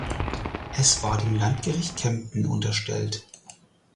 Es war dem Landgericht Kempten unterstellt.